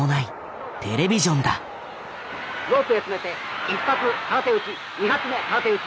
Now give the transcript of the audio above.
ロープへ詰めて１発空手打ち２発目空手打ち。